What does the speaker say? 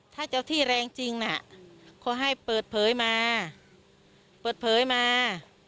ถ้าเจ้าที่แรงจริงน่ะขอให้เปิดเผยมาเปิดเผยมา